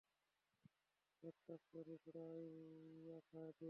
এক কাজ করি, পোড়াইয়া দেই।